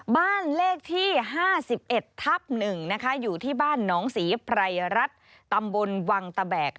บ้านเลขที่๕๑ทับ๑นะคะอยู่ที่บ้านหนองศรีไพรรัฐตำบลวังตะแบก